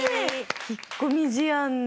引っ込み思案の。